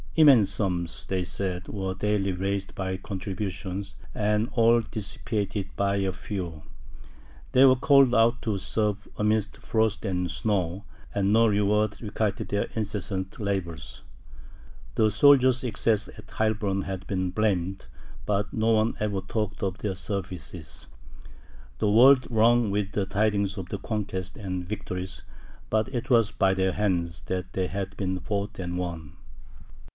"Immense sums," they said, "were daily raised by contributions, and all dissipated by a few. They were called out to serve amidst frost and snow, and no reward requited their incessant labours. The soldiers' excesses at Heilbronn had been blamed, but no one ever talked of their services. The world rung with the tidings of conquests and victories, but it was by their hands that they had been fought and won."